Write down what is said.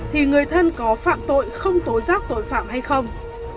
thì người thân có phạm tội không tố giác tội phạm hay không